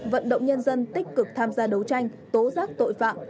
vận động nhân dân tích cực tham gia đấu tranh tố giác tội phạm